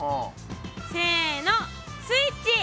せのスイッチ。